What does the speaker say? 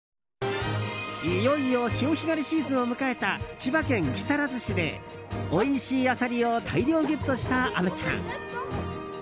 いよいよ潮干狩りシーズンを迎えた千葉県木更津市でおいしいアサリを大量ゲットした虻ちゃん。